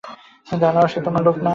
দাঁড়াও, সে তোমার লোক না?